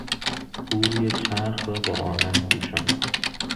او روی چرخ را با آهن پوشاند.